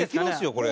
これ。